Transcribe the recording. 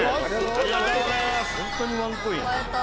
ありがとうございます。